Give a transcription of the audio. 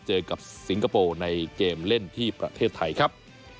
เจอกับสิงคโปร์ในเกมเล่นที่ประเทศไทยครับ